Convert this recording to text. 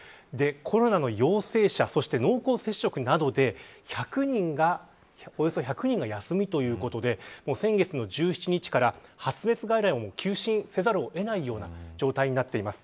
コロナの陽性者そして濃厚接触などでおよそ１００人が休みということで先月の１７日から発熱外来を休診せざるを得ないような状態になっています。